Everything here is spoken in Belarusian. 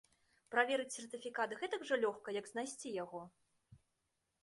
Праверыць сертыфікат гэтак жа лёгка, як знайсці яго?